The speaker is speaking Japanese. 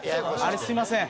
あれすいません。